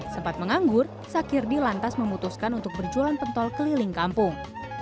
sempat menganggur sakirdi lantas memutuskan untuk berjualan pentol keliling kampung